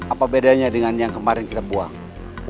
apa bedanya dengan yang kemarin kita buang